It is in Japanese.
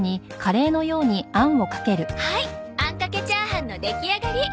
はいあんかけチャーハンの出来上がり。